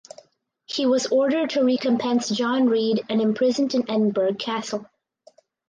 He was ordered to recompense John Reid and imprisoned in Edinburgh Castle.